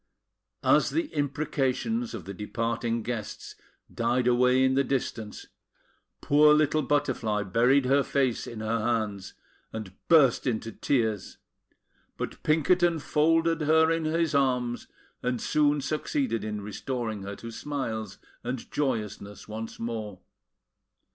As the imprecations of the departing guests died away in the distance, poor little Butterfly buried her face in her hands, and burst into tears; but Pinkerton folded her in his arms, and soon succeeded in restoring her to smiles and joyousness once more.